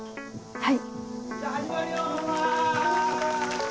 はい！